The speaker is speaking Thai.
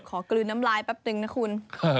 ขอกลืนน้ำลายปั๊บหนึ่งนะคุณ